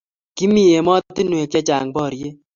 Kimii emotinwek che chang borie.